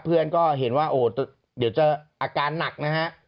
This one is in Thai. เพื่อนก็เห็นว่าโอ้เดี๋ยวจะอาการหนักนะฮะ